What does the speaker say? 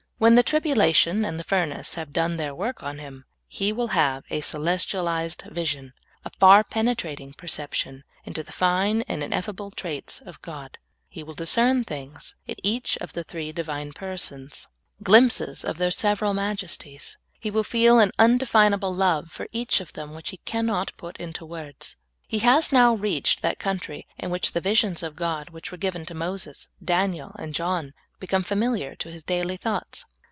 When the tribulation and the furnace have done their work on him, he will have a celestialized vision, a far penetrating perception, into the fine and ineffable traits of God. He will discern things in each of the three Divine persons, glimpses of 142 SOUL FOOD. their several majesties ; he will feel an undefinable love for each of them which he cannot put into w^ords. He has now reached that country in which the visions of God which were given to Moses, Daniel, and John become familiar to His dail}^ thoughts.